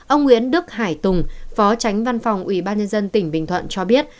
ông nguyễn đức hải tùng phó tránh văn phòng ubnd tỉnh bình thuận cho biết